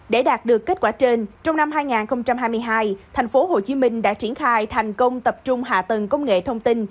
để đạt được kết quả trên trong năm hai nghìn hai mươi hai thành phố hồ chí minh đã triển khai thành công tập trung hạ tần công nghệ thông tin